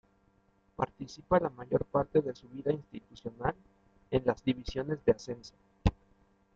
Participa la mayor parte de su vida institucional en las divisiones de ascenso.